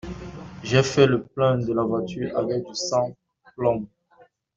J’ai fait le plein de la voiture avec du sans-plomb.